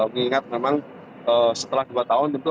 mengingat memang setelah dua tahun tentu